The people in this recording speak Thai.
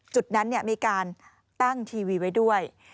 จุดนั้นมีการตั้งทีวีไว้ด้วย